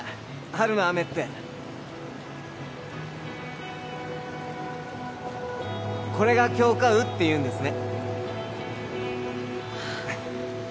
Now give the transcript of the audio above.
春の雨ってこれが杏花雨っていうんですね